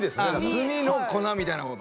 墨の粉みたいなこと？